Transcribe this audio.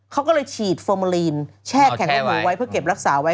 เขาก็เลยฉีดฟอร์มาลีนแช่แข็งลูกหมูไว้เพื่อเก็บรักษาไว้